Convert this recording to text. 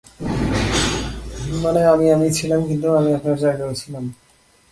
মানে, আমি আমিই ছিলাম, কিন্তু আমি আপনার জায়গায়ও ছিলাম।